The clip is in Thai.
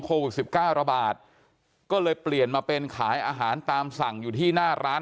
โควิด๑๙ระบาดก็เลยเปลี่ยนมาเป็นขายอาหารตามสั่งอยู่ที่หน้าร้าน